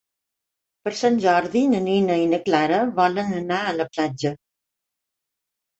Per Sant Jordi na Nina i na Clara volen anar a la platja.